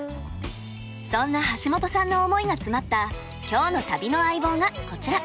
そんな橋本さんの思いが詰まった今日の旅の相棒がこちら。